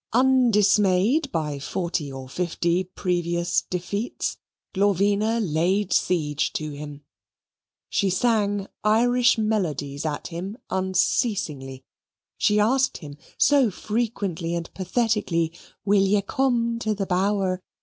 Undismayed by forty or fifty previous defeats, Glorvina laid siege to him. She sang Irish melodies at him unceasingly. She asked him so frequently and pathetically, Will ye come to the bower?